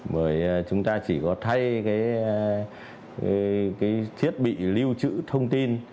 bởi chúng ta chỉ có thay cái thiết bị lưu trữ thông tin